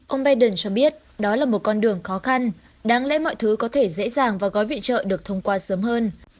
ông biden cho biết đó là một con đường khó khăn đáng lẽ mọi thứ có thể dễ dàng và gói viện trợ được thông qua sớm hơn